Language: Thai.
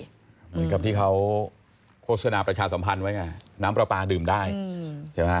เหมือนกับที่เขาโฆษณาประชาสัมพันธ์ไว้ไงน้ำปลาปลาดื่มได้ใช่ไหม